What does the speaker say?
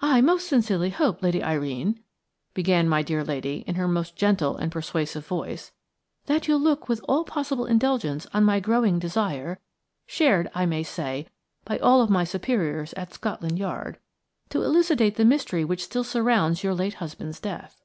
"I most sincerely hope, Lady Irene," began my dear lady, in her most gentle and persuasive voice, "that you will look with all possible indulgence on my growing desire–shared, I may say, by all my superiors at Scotland Yard–to elucidate the mystery which still surrounds your late husband's death."